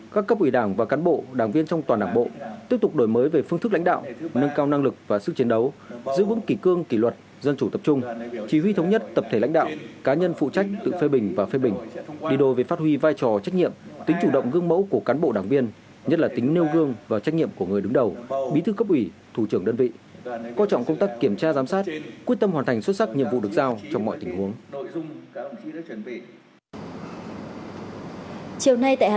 các cấp ủy đảng và cán bộ đảng viên trong toàn đảng bộ tiếp tục đổi mới về phương thức lãnh đạo nâng cao năng lực và sức chiến đấu giữ vững kỳ cương kỳ luật dân chủ tập trung chỉ huy thống nhất tập thể lãnh đạo cá nhân phụ trách tự phê bình và phê bình đi đổi về phát huy vai trò trách nhiệm tính chủ động gương mẫu của cán bộ đảng viên nhất là tính nêu gương và trách nhiệm của người đứng đầu bí thư cấp ủy thủ trưởng đơn vị co trọng công tác kiểm tra giám sát quyết tâm hoàn thành xuất sắc nhi